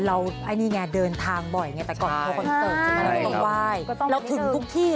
เราอันนี้ไงเดินทางบ่อยไงแต่ก่อนคอนเสิร์ตจริงก็ต้องกราบไหว้